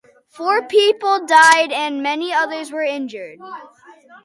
Four people died and many others were injured.